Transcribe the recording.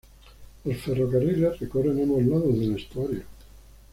Los ferrocarriles recorren ambos lados del estuario.